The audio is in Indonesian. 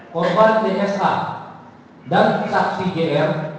korban dsh dan saksi gr